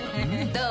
どう？